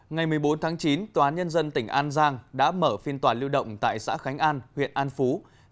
ngày một mươi bốn tháng chín tòa án nhân dân tỉnh an giang đã mở phiên tòa lưu động tại xã khánh an huyện an phú